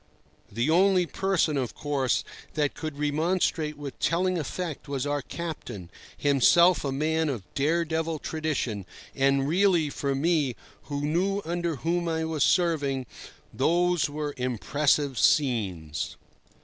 The only person, of course, that could remonstrate with telling effect was our captain, himself a man of dare devil tradition; and really, for me, who knew under whom I was serving, those were impressive scenes.